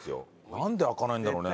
なんで開かないんだろうね？